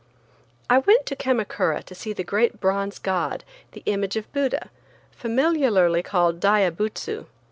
I went to Kamakura to see the great bronze god, the image of Buddha, familiarly called Diabutsu.